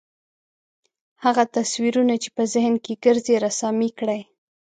هغه تصویرونه چې په ذهن کې ګرځي رسامي کړئ.